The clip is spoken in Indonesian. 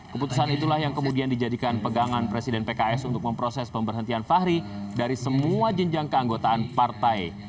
keputusan itulah yang kemudian dijadikan pegangan presiden pks untuk memproses pemberhentian fahri dari semua jenjang keanggotaan partai